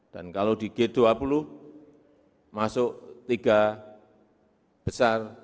dan kalau di g dua puluh masuk tiga besar